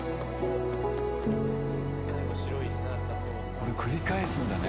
これ繰り返すんだね。